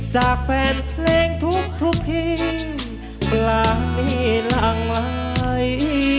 จากแฟนเพลงทุกที่กลางนี่หลังไหล